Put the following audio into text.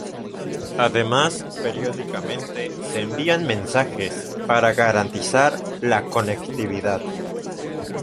Además periódicamente se envían mensajes para garantizar la conectividad.